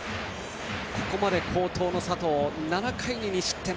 ここまで好投の佐藤７回に２失点。